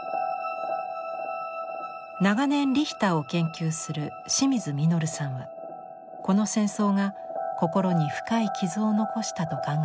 長年リヒターを研究する清水穣さんはこの戦争が心に深い傷を残したと考えています。